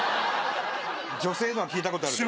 女性のは聞いたことあるけど。